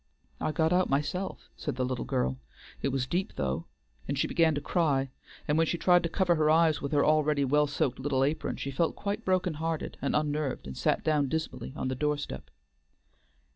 "I got out myself," said the little girl. "It was deep, though," and she began to cry, and when she tried to cover her eyes with her already well soaked little apron, she felt quite broken hearted and unnerved, and sat down dismally on the doorstep.